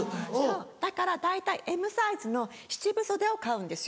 だから大体Ｍサイズの七分袖を買うんですよ。